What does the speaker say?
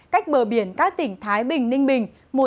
cách bờ biển các tỉnh thái bình ninh bình